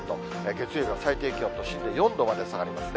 月曜日は最低気温、都心で４度まで下がりますね。